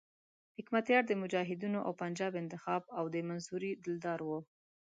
حکمتیار د مجاهدینو او پنجاب انتخاب او د منصوري دلدار وو.